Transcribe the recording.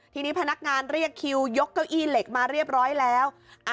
ทีนี้พนักงานเรียกคิวยกเก้าอี้เหล็กมาเรียบร้อยแล้ว